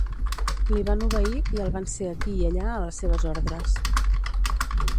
Li van obeir, i el van ser aquí i allà a les seves ordres.